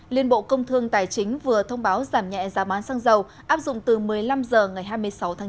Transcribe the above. liên bộ công thương tài chính vừa thông báo giảm nhẹ giá bán xăng dầu áp dụng từ một mươi năm h ngày hai mươi sáu tháng chín